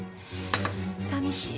さみしいわ。